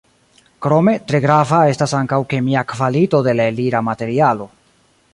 Krome, tre grava estas ankaŭ kemia kvalito de la elira materialo.